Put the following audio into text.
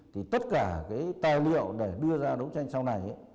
thì tất cả cái tài liệu để đưa ra đấu tranh sau này